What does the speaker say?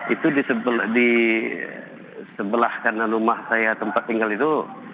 itu di sebelah kanan rumah saya tempat tinggal itu